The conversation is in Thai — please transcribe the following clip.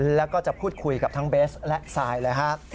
แล้วก็จะพูดคุยกับทั้งเบสและซายเลยฮะ